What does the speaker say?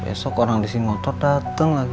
besok orang di sini motor datang lagi